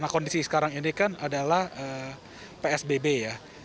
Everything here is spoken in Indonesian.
kondisi sekarang ini kan adalah psbb ya